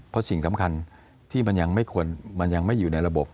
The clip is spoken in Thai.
เพราะสิ่งสำคัญที่มันยังไม่อยู่ในระบบ